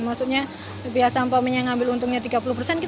maksudnya biasa ampunnya ngambil untungnya tiga puluh persen